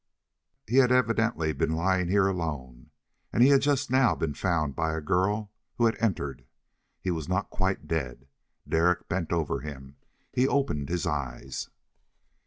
He had evidently been lying here alone, and had just now been found by a girl who had entered. He was not quite dead. Derek bent over him. He opened his eyes.